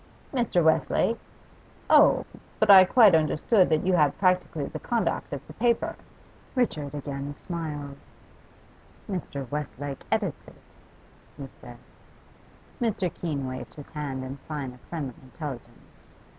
'Mr. Westlake? Oh! but I quite understood that you had practically the conduct of the paper.' Richard again smiled. 'Mr. Westlake edits it,' he said. Mr. Keene waved his hand in sign of friendly intelligence.